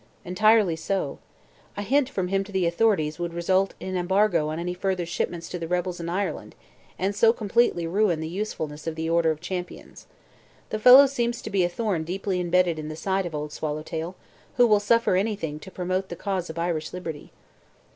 "Entirely so. A hint from him to the authorities would result in an embargo on any further shipments to the rebels in Ireland and so completely ruin the usefulness of the order of Champions. The fellow seems to be a thorn deeply embedded in the side of Old Swallowtail, who will suffer anything to promote the cause of Irish liberty."